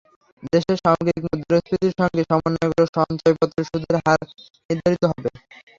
দেশের সামগ্রিক মূল্যস্ফীতির সঙ্গে সমন্বয় করে সঞ্চয়পত্রের সুদের হার নির্ধারিত হবে।